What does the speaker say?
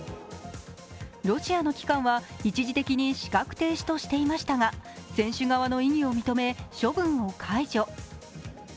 ロシアの機関は一時的に資格停止としていましたが選手側の異議を認め処分を解除。